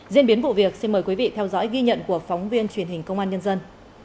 diễn biến vụ việc xin mời quý vị theo dõi ghi nhận của phóng viên truyền hình công an nhân dân